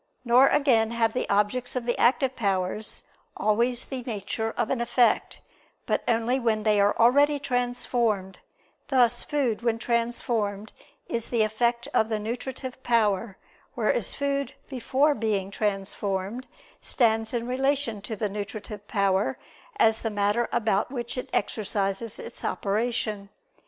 Nor again have the objects of the active powers always the nature of an effect, but only when they are already transformed: thus food when transformed is the effect of the nutritive power; whereas food before being transformed stands in relation to the nutritive power as the matter about which it exercises its operation.